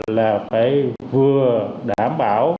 là phải vừa đảm bảo